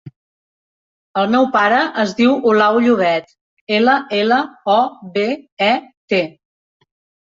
El meu pare es diu Olau Llobet: ela, ela, o, be, e, te.